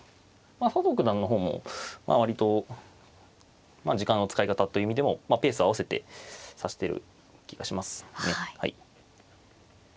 佐藤九段の方も割と時間の使い方という意味でもペース合わせて指してる気がしますね。